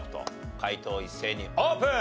解答一斉にオープン。